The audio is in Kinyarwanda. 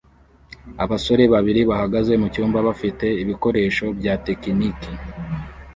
Abasore babiri bahagaze mucyumba bafite ibikoresho bya tekiniki